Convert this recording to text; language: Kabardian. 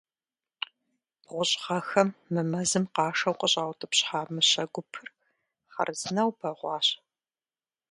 БгъущӀ гъэхэм мы мэзым къашэу къыщӏаутӏыпщхьа мыщэ гупыр хъарзынэу бэгъуащ.